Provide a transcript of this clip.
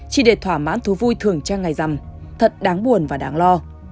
chỉ để thỏa mãn thú vui thường cho ngày rằm thật đáng buồn và đáng lo